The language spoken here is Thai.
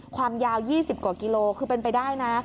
ความยาว๒๐กว่ากิโลคือเป็นไปได้นะ